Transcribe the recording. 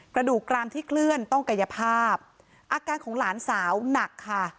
กระดูกกรามที่เคลื่อนต้องกายภาพอาการของหลานสาวหนักค่ะ